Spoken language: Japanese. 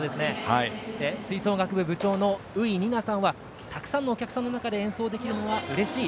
吹奏楽部部長の方はたくさんのお客さんの中で演奏できるのはうれしい。